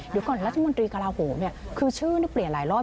เดี๋ยวก่อนรัฐมนตรีกล้าโหคือชื่อนึกเปลี่ยนหลายรอบ